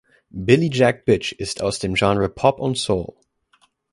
Billy Jack Bitch ist aus dem Genre Pop und Soul.